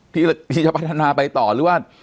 ที่จะพัฒนาไปต่อหรือว่า